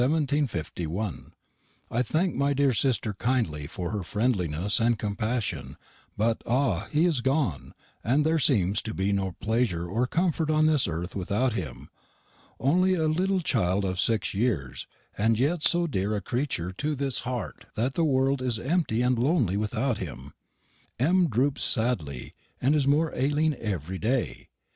I thank my dear sister kindly for her friendlinesse and compashin; butt, ah, he is gone, and their semes to be no plesure or comforte on this erth without him! onlie a littel childe of 6 yeres, and yett so dere a creetur to this harte that the worlde is emty and lonely without him. M. droopes sadly, and is more ailing everry day.